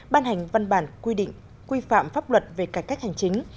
ban hành văn bản quy định quy phạm pháp luật về cải cách hành chính